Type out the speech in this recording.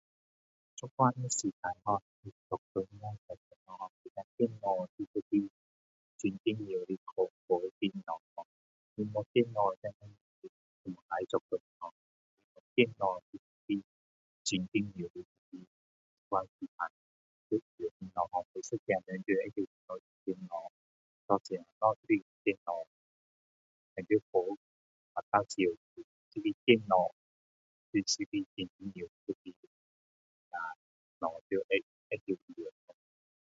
现在的时代电脑是一个很重要的一个东西没有电脑的叻都不能做工电脑是一个很重要的会用的东西现在的人都要会用东西什么东西都是用电脑电脑要会用 [unintelligible]